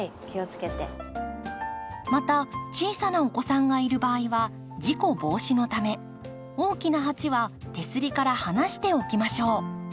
また小さなお子さんがいる場合は事故防止のため大きな鉢は手すりから離して置きましょう。